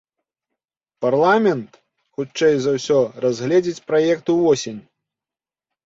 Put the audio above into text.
Парламент, хутчэй за ўсё, разгледзіць праект увосень.